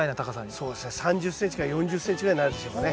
そうですね３０ｃｍから４０ｃｍぐらいになるでしょうかね。